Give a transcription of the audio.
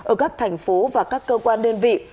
ở các thành phố và các cơ quan đơn vị